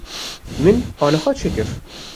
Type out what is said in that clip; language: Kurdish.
Min aniha çêkir.